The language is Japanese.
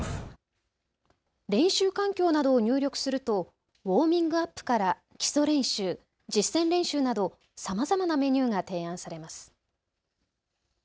練習環境などを入力するとウォーミングアップから基礎練習、実践練習など、さまざまなメニューが提案されます。